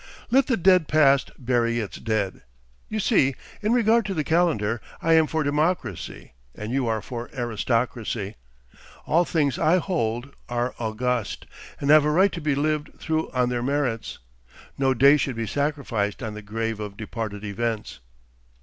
Let the dead past bury its dead. You see, in regard to the calendar, I am for democracy and you are for aristocracy. All things I hold, are august, and have a right to be lived through on their merits. No day should be sacrificed on the grave of departed events.